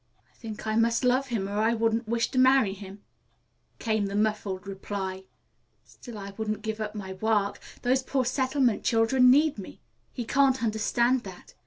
"I think I must love him, or I wouldn't wish to marry him," came the muffled reply. "Still I won't give up my work. Those poor settlement children need me. He can't understand that.